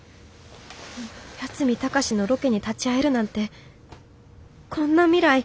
八海崇のロケに立ち会えるなんてこんな未来